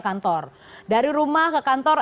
kantor dari rumah ke kantor